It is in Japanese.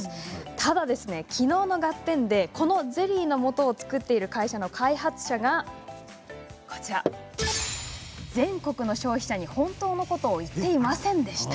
ただ、きのうの「ガッテン！」でこのゼリーのもとを作っている会社の開発者が全国の消費者に本当のことを言っていませんでした。